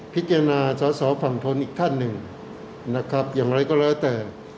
พิจารณาสาวสาวฝั่งทนอีกท่านหนึ่งนะครับอย่างไรก็แล้วแต่